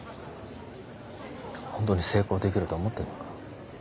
ホントに成功できると思ってんのか？